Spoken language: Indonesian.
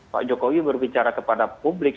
pak jokowi berbicara kepada publik